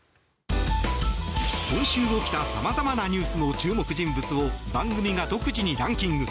今週起きた様々なニュースの注目人物を番組が独自にランキング。